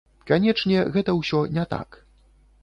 Канечне, гэта ўсё не так.